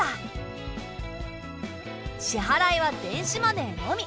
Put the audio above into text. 支払いは電子マネーのみ。